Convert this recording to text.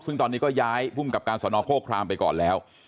ซึ่งตอนนี้ก็ย้ายภูมิกับการสนโฆครามไปก่อนแล้ว